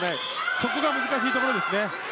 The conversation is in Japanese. そこが難しいところです。